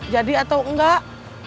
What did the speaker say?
jadi atau enggak